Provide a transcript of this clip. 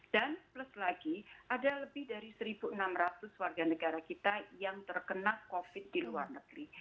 dan plus lagi ada lebih dari seribu enam ratus warga negara kita yang terkena covid di luar negeri